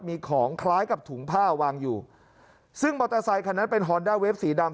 มีของคล้ายกับถุงผ้าวางอยู่ซึ่งมอเตอร์ไซคันนั้นเป็นฮอนด้าเวฟสีดำ